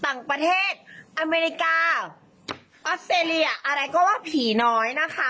ต่างประเทศอเมริกาออสเตรเลียอะไรก็ว่าผีน้อยนะคะ